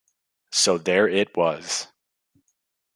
So there it was.